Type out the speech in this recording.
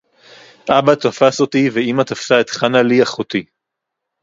אַבָּא תָּפַס אוֹתִי וְאִמָּא תָּפְסָה אֶת חַנָה’לִי אֲחוֹתִי